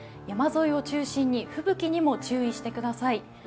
山沿いを中心に吹雪にも注意してください。